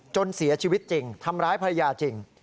จนเสียชีวิตจริงทำร้ายภรรยาจริง